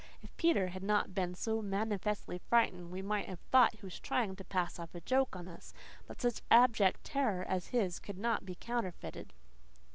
If Peter had not been so manifestly frightened we might have thought he was trying to "pass a joke" on us. But such abject terror as his could not be counterfeited.